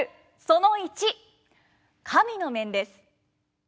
その１神の面です。